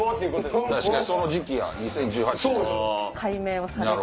確かにその時期や２０１８年。